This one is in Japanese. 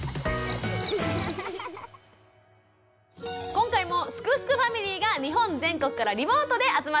今回も「すくすくファミリー」が日本全国からリモートで集まってくれています。